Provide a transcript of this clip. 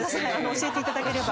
教えていただければ。